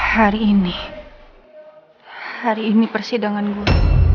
hari ini hari ini persidangan guru